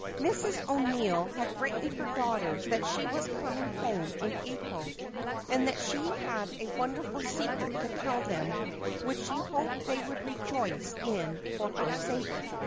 Mrs. O'Neill had written her daughters that she was coming home in April and that she had a wonderful secret to tell them which she hoped they would rejoice in for her sake.